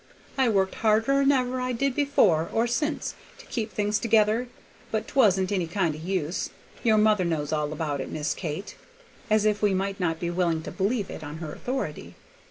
I worked harder 'n ever I did before or since to keep things together, but 't wasn't any kind o' use. Your mother knows all about it, Miss Kate," as if we might not be willing to believe it on her authority.